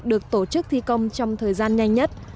được tổ chức thi công trong thời gian nhanh nhất